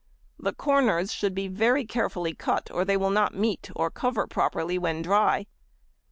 The corners should be very carefully cut or they will not meet, or cover properly when dry.